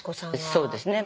そうですね。